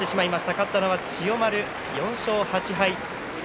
勝ったのは千代丸、４勝８敗。